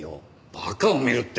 馬鹿を見るって。